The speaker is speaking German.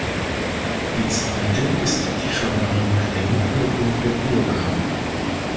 Die zweite ist die Förderung der Mitwirkung der Bürger.